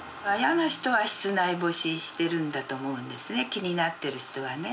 気になっている人はね。